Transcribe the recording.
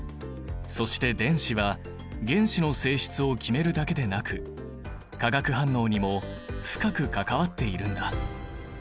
そして電子は原子の性質を決めるだけでなく化学反応にも深く関わっているんだ。